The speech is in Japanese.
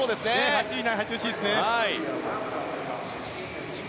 ８位以内に入ってほしいですね。